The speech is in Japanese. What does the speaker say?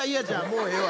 もうええわ。